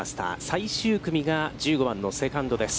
最終組が、１５番のセカンドです。